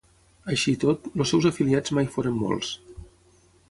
Així i tot, els seus afiliats mai foren molts.